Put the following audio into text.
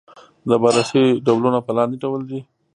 د بررسۍ ډولونه په لاندې ډول دي.